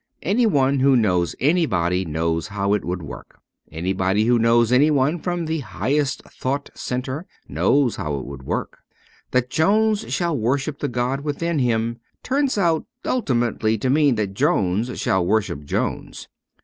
Anyone who knows anybody knows how it would work ; anyone who knows anyone from the Higher Thought Centre knows how it does work. That Jones shall worship the god within him turns out ultimately to mean that Jones shall worship Jones.